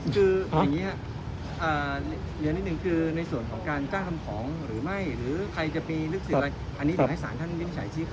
คืออย่างงี้ฮะอ่าเดี๋ยวนิดหนึ่งคือในส่วนของการจ้าทำของหรือไม่หรือใครจะมีลิขสิทธิ์อะไรอันนี้ถือให้สารท่านวินชัยชีพค่ะ